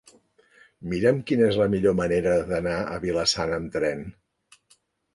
Mira'm quina és la millor manera d'anar a Vila-sana amb tren.